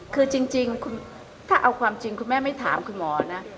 คือจริงถ้าเอาความจริงคุณแม่ไม่ถามคุณหมอนะ